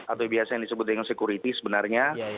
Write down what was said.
atau biasa yang disebut dengan security sebenarnya